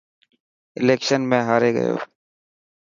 اليڪشن ۾ هاري گيو.